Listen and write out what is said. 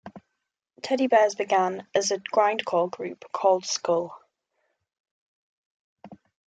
Teddybears began as a grindcore group called Skull.